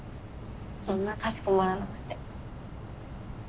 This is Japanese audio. そんなかしこまらなくて。